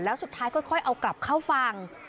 แล้วสุดท้ายค่อยเอากลับเข้าฝั่ง